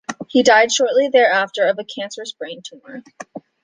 He died shortly thereafter of a cancerous brain tumor.